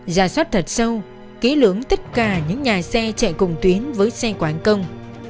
giả soát thật sâu ký lưỡng tất cả những nhà xe chạy cùng tuyến với xe của anh công